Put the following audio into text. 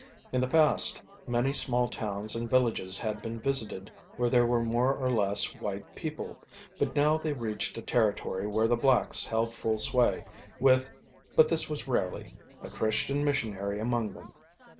In the past many small towns and villages had been visited where there were more or less white people; but now they reached a territory where the blacks held full sway, with but this was rarely a Christian missionary among them.